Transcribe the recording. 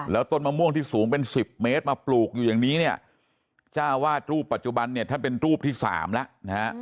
แล้วต้นมะม่วงที่สูงเป็น๑๐เมตรมาปลูกอยู่อย่างนี้เนี่ยจ้าวาดรูปปัจจุบันเนี่ยท่านเป็นรูปที่๓แล้วนะฮะ